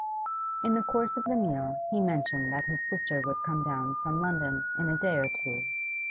In the course of the meal he mentioned that his sister would come down from London in a day or two.